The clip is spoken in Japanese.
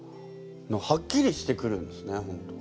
はっきりしてくるんですね本当。